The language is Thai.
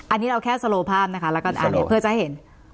อันนี้เราแค่สโลฟ่ามนะคะเพื่อจะเห็น